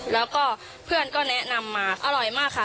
แล้วก็เพื่อนก็แนะนำมาอร่อยมากค่ะ